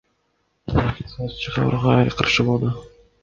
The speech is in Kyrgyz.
жаңы акция чыгарууга каршы болду.